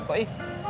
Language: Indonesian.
p ya pak i